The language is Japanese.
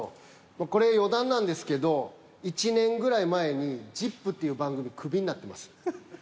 これ余談なんですけど１年ぐらい前に「ＺＩＰ！」っていう番組クビになってます。